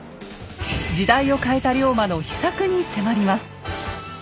時代を変えた龍馬の秘策に迫ります。